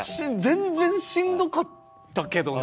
全然しんどかったけどなって。